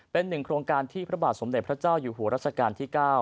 เป็นหนึ่งโครงการที่พระบาทสมเด็จพระเจ้าอยู่หัวรัชกาลที่๙